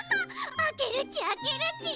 あけるちあけるち！